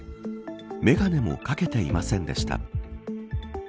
眼鏡も掛けていませんでした。